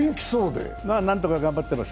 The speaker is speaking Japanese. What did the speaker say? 何とか頑張ってます。